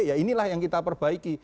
ya inilah yang kita perbaiki